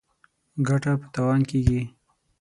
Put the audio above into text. ګټه په تاوان کېږي.